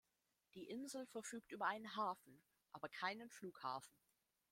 Die Insel verfügt über einen Hafen, aber keinen Flughafen.